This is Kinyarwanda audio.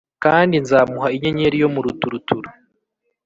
Kandi nzamuha Inyenyeri yo mu ruturuturu.